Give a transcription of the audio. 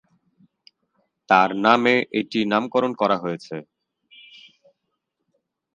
তার নামে এটির নামকরণ করা হয়েছে।